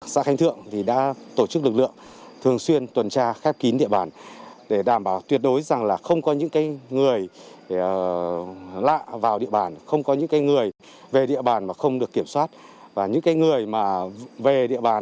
xã khánh thượng huyện ba vì hiện nay trên địa bàn xã chưa ghi nhận trường hợp nào dương tính với covid một mươi chín